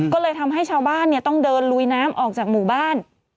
ก็เลยทำให้ชาวบ้านต้องเดินลุยน้ำออกจากหมู่บ้าน